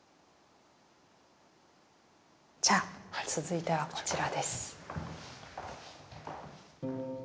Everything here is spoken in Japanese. じゃあ続いてはこちらです。